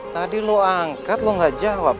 tadi lo angkat tidak jawab